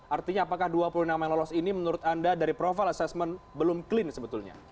artinya apakah dua puluh nama yang lolos ini menurut anda dari profile assessment belum clean sebetulnya